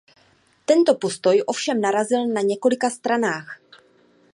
Tento postoj ovšem narazil na několika stranách.